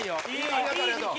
ありがとうありがとう。